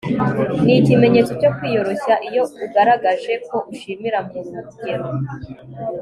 ni ikimenyetso cyo kwiyoroshya iyo ugaragaje ko ushimira mu rugero